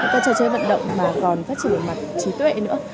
các trò chơi vận động mà còn phát triển ở mặt trí tuệ nữa